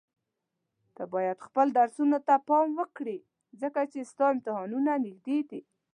ته بايد خپل درسونو ته پام وکړي ځکه چي ستا امتحانونه نيږدي دي.